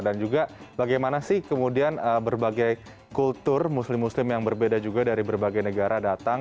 dan juga bagaimana sih kemudian berbagai kultur muslim muslim yang berbeda juga dari berbagai negara datang